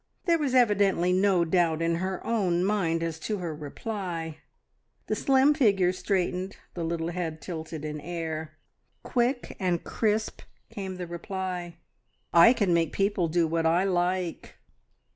There was evidently no doubt in her own mind as to her reply. The slim figure straightened, the little head tilted in air. Quick and crisp came the reply "I can make people do what I like!"